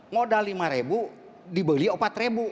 modal rp lima dibeli rp empat